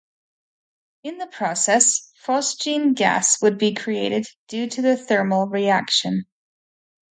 In the process, phosgene gas would be created due to the thermal reaction.